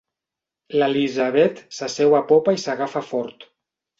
L'Elisabet s'asseu a popa i s'agafa fort.